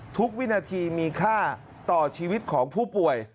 วินาทีมีค่าต่อชีวิตของผู้ป่วย